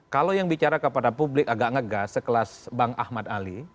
kalau yang bicara kepada publik agak ngegas sekelas bang ahmad ali